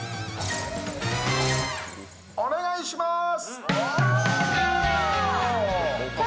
お願いします！